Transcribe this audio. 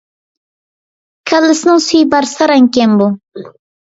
كاللىسىنىڭ سۈيى بار ساراڭكەن بۇ!